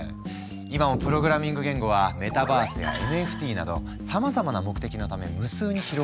今もプログラミング言語はメタバースやＮＦＴなどさまざまな目的のため無数に広がり続けている。